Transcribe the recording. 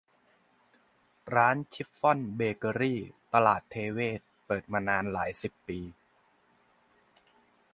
ร้านชิฟฟ่อนเบเกอรี่ ตลาดเทเวศร์ เปิดมานานหลายสิบปี